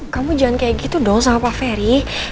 kamu jangan kayak gitu dong sama pak ferry